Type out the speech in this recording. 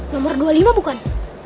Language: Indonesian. nomor dua puluh lima bukan